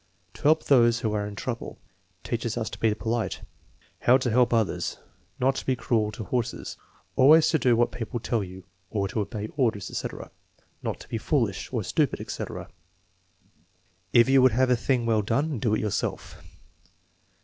"To help those who are in trouble." "Teaches us to be polite." "How to help others." "Not to be cruel to horses." "Always to do what people tell you" (or "obey orders," etc.). "Not to be foolish" (or stupid, etc.). "If you would have a thing well done, do it yourself."